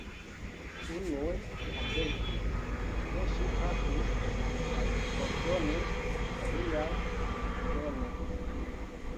Unuj atestis, ke ŝi pafis kaj ordonis, aliaj, ke ne.